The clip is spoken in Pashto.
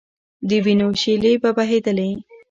د وینو شېلې به بهېدلې.